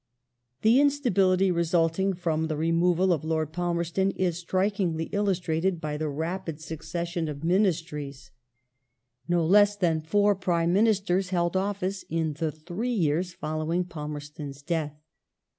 The instability resulting from the removal of Lord Palmerston is strikingly illustrated by the rapid succession of Ministries. No 1867] EARL RUSSELUS SECOND MINISTRY 339 less than four Prime Ministers held office in the three years follow Earl ing Palmerston's death.